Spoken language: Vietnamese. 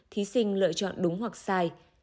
thí sinh lựa chọn đúng hoặc sai